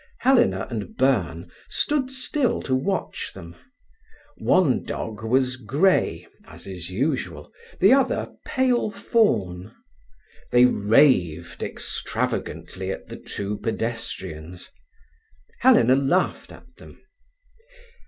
Helena and Byrne stood still to watch them. One dog was grey, as is usual, the other pale fawn. They raved extravagantly at the two pedestrians. Helena laughed at them.